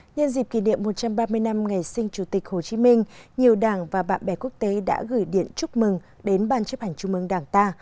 nhân dịp kỷ niệm một trăm ba mươi năm ngày sinh chủ tịch hồ chí minh nhiều đảng và bạn bè quốc tế đã gửi điện chúc mừng đến ban chấp hành trung mương đảng ta